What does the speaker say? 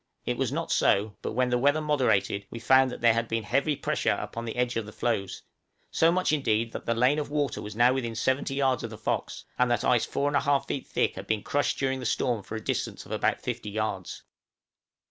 It was not so; but when the weather moderated we found that there had been heavy pressure upon the edge of the floes, so much, indeed, that the lane of water was now within 70 yards of the 'Fox;' and that ice 4 1/2 feet thick had been crushed during the storm for a distance of about 50 yards.